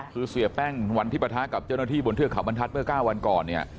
คือเสียแป้งวันที่ปะทะกับเจ้าหน้าที่บนเทือกเขาบรรทัศน์เมื่อ๙วันก่อนเนี่ย